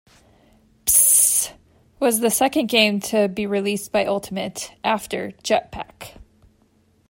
"Pssst" was the second game to be released by Ultimate, after "Jetpac".